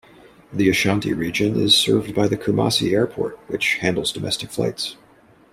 The Ashanti region is served by the Kumasi Airport, which handles domestic flights.